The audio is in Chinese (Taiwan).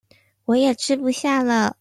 我也吃不下了